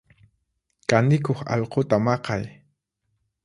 Kanikuq alquta maqay.